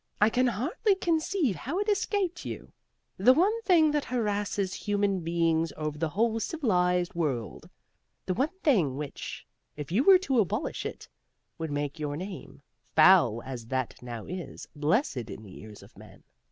"I can hardly conceive how it escaped you. The one thing that harasses human beings over the whole civilized world. The one thing which, if you were to abolish it, would make your name, foul as that now is, blessed in the ears of men.